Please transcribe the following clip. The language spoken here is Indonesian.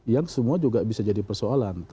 yang semua juga bisa jadi persoalan